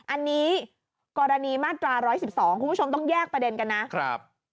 อันนี้กรณีมาตรา๑๑๒คุณผู้ชมต้องแยกประเด็นกันนะครับ